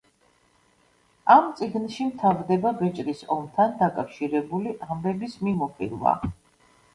ამ წიგნში მთავრდება ბეჭდის ომთან დაკავშირებული ამბების მიმოხილვა.